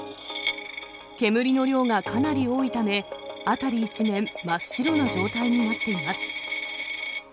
煙の量がかなり多いため、辺り一面、真っ白な状態になっています。